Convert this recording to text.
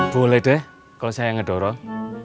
boleh deh kalau saya yang ngedorong